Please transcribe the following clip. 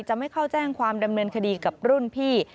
ไม่เข้าแจ้งความดำเนินคดีกับรุ่นพี่